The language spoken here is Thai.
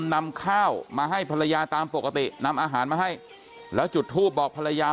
นำข้าวมาให้ภรรยาตามปกตินำอาหารมาให้แล้วจุดทูปบอกภรรยา